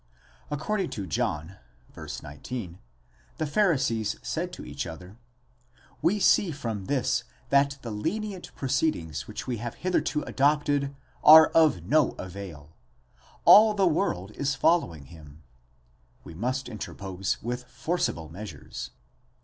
According to John (v. 19), the Pharisees said to each other: we see from this that the (lenient) proceedings which we have hitherto adopted are of no avail; all the world is following him (we must interpose, with. forcible measures).